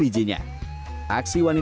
pengaruhman karena dia akan posting tv baru